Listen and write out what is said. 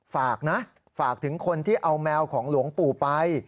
ฝากนะฝากถึงคนที่เอาแมวของหลวงปู่ไป